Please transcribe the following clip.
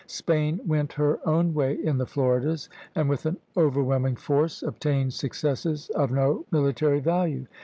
Spain went her own way in the Floridas, and with an overwhelming force obtained successes of no military value.